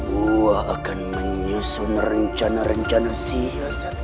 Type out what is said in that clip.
gua akan menyusun rencana rencana si yaset